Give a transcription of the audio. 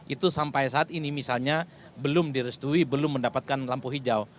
itu sampai saat ini misalnya belum direstui belum mendapatkan lampu hijau